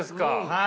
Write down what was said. はい。